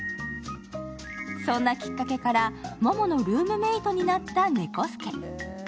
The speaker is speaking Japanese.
そんなきっかけから、モモのルームメイトになったネコ助。